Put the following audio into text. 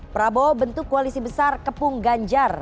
prabowo bentuk koalisi besar kepung ganjar